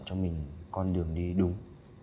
cho mình con đường đi đúng